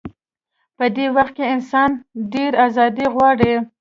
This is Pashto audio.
په دې وخت کې انسان ډېره ازادي غواړي.